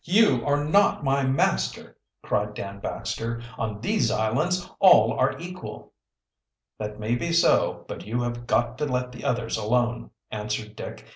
"You are not my master!" cried Dan Baxter. "On these islands all are equal." "That may be so, but you have got to let the others alone," answered Dick.